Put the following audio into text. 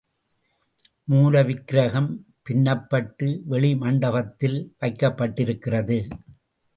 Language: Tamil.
மூலவிக்கிரகம் பின்னப்பட்டு வெளி மண்டபத்தில் வைக்கப்பட்டிருக்கிறது.